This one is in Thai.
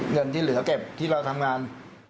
เงินที่เหลือเก็บที่เราทำงาน